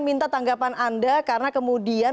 minta tanggapan anda karena kemudian